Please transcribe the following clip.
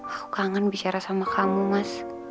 aku kangen bicara sama kamu mas